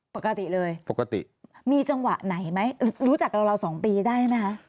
ปกติเลยมีจังหวะไหนไหมรู้จักกับเรา๒ปีได้ไหมคะ